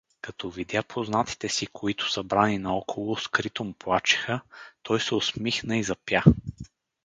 Като видя познатите си, които, събрани наоколо, скритом плачеха, той се усмихна и запя.